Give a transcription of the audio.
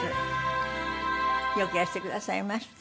よくいらしてくださいました。